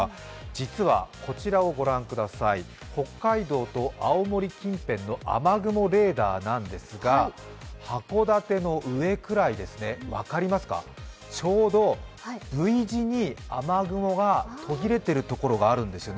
実は、こちらをご覧ください、北海道と青森近辺の雨雲レーダーなんですが、函館の上くらい、分かりますかちょうどＶ字に雨雲が途切れているところがあるんです。